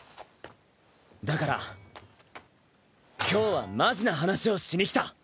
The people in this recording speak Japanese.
だから今日はマジな話をしに来た！